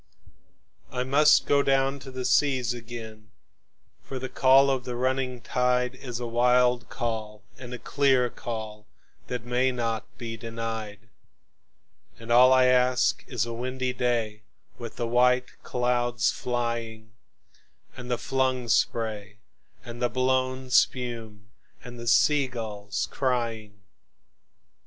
I must down go to the seas again, for the call of the running tide Is a wild call and a clear call that may not be denied; And all I ask is a windy day with the white clouds flying, And the flung spray and the blown spume, and the sea gulls crying.